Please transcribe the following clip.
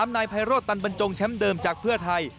นายไพโรธตันบรรจงแชมป์เดิมจากเพื่อไทย